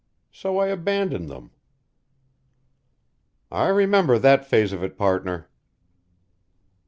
So I abandoned them." "I remember that phase of it, partner."